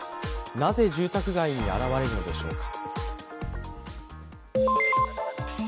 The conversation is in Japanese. なぜ住宅街に現れるのでしょうか。